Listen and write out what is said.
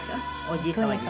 おじい様に。